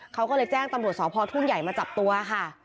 เขาก็เลยแจ้งตำรวจสพทุ่งใหญ่มาจับตัวค่ะ